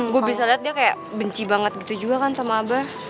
gue bisa lihat dia kayak benci banget gitu juga kan sama abah